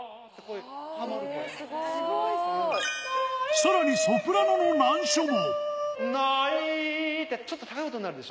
さらにソプラノの難所も。